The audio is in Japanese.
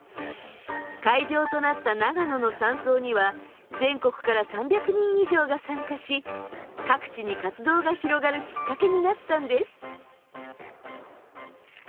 会場となった長野の山荘には全国から３００人以上が参加し各地に活動が広がるきっかけになったんです。